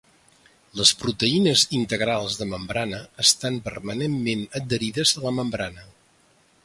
Les proteïnes integrals de membrana estan permanentment adherides a la membrana.